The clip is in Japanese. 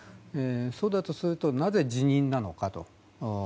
そうだとするとなぜ辞任なのかと。